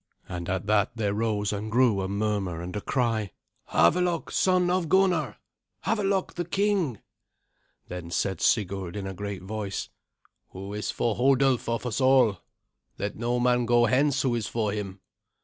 And at that there rose and grew a murmur and a cry. "Havelok, son of Gunnar! Havelok the king!" Then said Sigurd in a great voice, "Who is for Hodulf of us all? Let no man go hence who is for him."